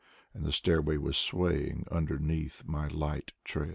And the stairway was swaying underneath my light tread.